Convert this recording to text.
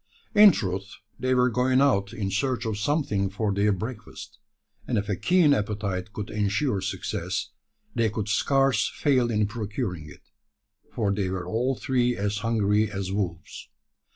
In truth, they were going out in search of something for their breakfast; and if a keen appetite could ensure success, they could scarce fail in procuring it: for they were all three as hungry as wolves.